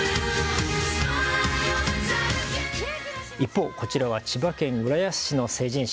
一方、こちらは千葉県浦安市の成人式。